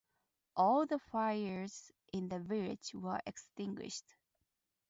All the fires in the village were extinguished.